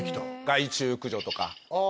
害虫駆除とかあ